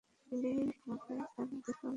বিলি আমাকে এভাবে দেখুক তা চাই না!